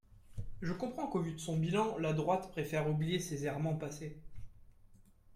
Je comprends qu’au vu de son bilan, la droite préfère oublier ses errements passés.